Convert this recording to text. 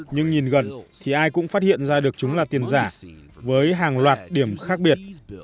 nhưng nhìn gần thì ai cũng phát hiện ra được chúng là tiền giả với hàng loạt điểm khác biệt